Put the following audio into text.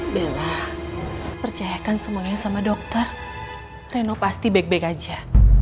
bela percayakan semuanya sama dokter reno pasti baik baik aja